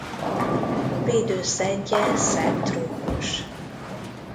Védőszentje Szent Rókus.